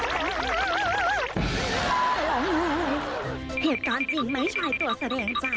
ก็ล้อมมากเหตุการณ์จริงไม่ใช่ตัวแสดงจ้า